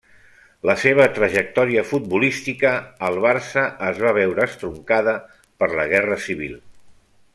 La seva trajectòria futbolística al Barça es va veure estroncada per la Guerra Civil.